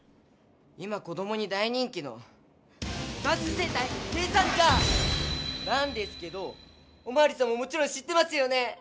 今子どもに大人気の「さんすうセンタイ計算ジャー」なんですけどおまわりさんももちろん知ってますよね？